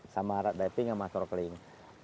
sama diving sama snorkeling